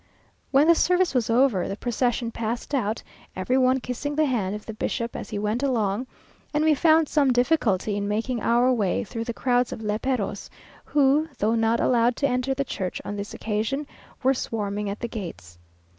When the service was over the procession passed out, every one kissing the hand of the bishop as he went along, and we found some difficulty in making our way through the crowds of léperos, who, though not allowed to enter the church on this occasion, were swarming at the gates.